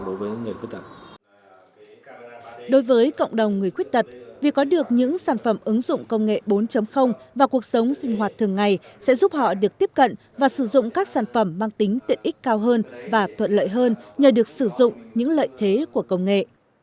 đối với cộng đồng người khuyết tật việc có được những sản phẩm ứng dụng công nghệ bốn và cuộc sống sinh hoạt thường ngày sẽ giúp họ được tiếp cận và sử dụng các sản phẩm mang tính tiện ích cao hơn và thuận lợi hơn nhờ được sử dụng những lợi thế của công nghệ